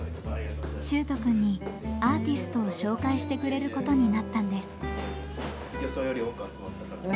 秀斗くんにアーティストを紹介してくれることになったんです。